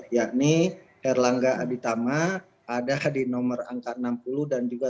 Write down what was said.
yakni erlangga aditama ada di nomor angka enam puluh dan juga satu ratus